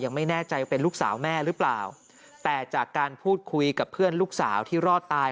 ไม่แน่ใจว่าเป็นลูกสาวแม่หรือเปล่าแต่จากการพูดคุยกับเพื่อนลูกสาวที่รอดตาย